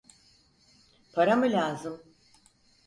Para mı lazım?